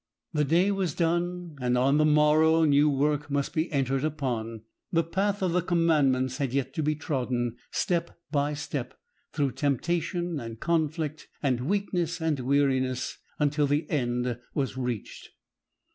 The day was done; and on the morrow new work must be entered upon. The path of the commandments had yet to be trodden, step by step, through temptation and conflict, and weakness and weariness, until the end was reached.